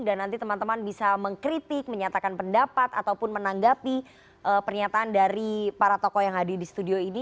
dan nanti teman teman bisa mengkritik menyatakan pendapat ataupun menanggapi pernyataan dari para tokoh yang hadir di studio ini